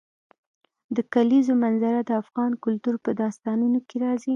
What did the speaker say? د کلیزو منظره د افغان کلتور په داستانونو کې راځي.